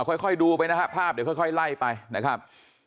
ค่อยดูไปนะฮะภาพเดี๋ยวค่อยไล่ไปนะครับ